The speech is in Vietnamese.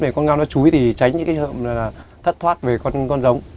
vì con ngao nó chúi thì tránh những hợp thất thoát về con giống